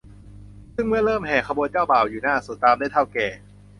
ซึ่งเมื่อเริ่มแห่ ขบวนเจ้าบ่าวอยู่หน้าสุด ตามด้วยเถ้าแก่